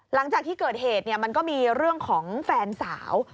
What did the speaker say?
หลังจากที่เกิดเหตุมันก็มีเรื่องของแฟนสาว